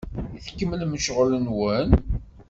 I tkemmlem ccɣel-nwen?